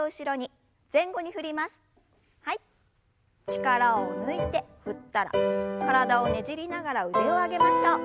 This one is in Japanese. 力を抜いて振ったら体をねじりながら腕を上げましょう。